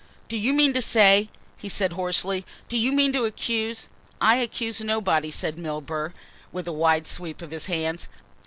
"Do you mean to say " he said hoarsely. "Do you mean to accuse ?" "I accuse nobody," said Milburgh with a wide sweep of his hands.